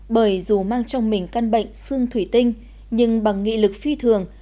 bởi dù mang trong mình căn bệnh xương thủy tinh nhưng bằng nghị lực phi thường